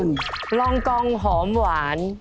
รองกองหอมหวาน